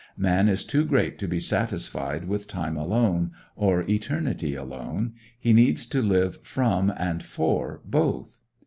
Man is too great to be satisfied with time alone, or eternity alone; he needs to live from and for both.